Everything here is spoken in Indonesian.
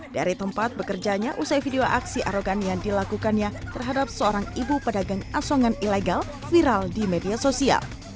dari tempat bekerjanya usai video aksi arogan yang dilakukannya terhadap seorang ibu pedagang asongan ilegal viral di media sosial